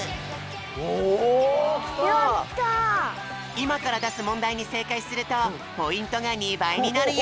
いまからだすもんだいにせいかいするとポイントが２ばいになるよ。